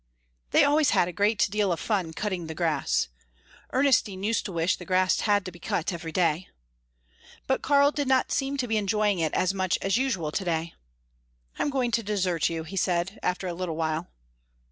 They always had a great deal of fun cutting the grass. Ernestine used to wish the grass had to be cut every day. But Karl did not seem to be enjoying it as much as usual to day. "I'm going to desert you," he said, after a little while.